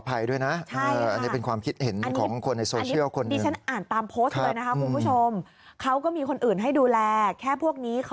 อันนี้ขออภัยด้วยนะ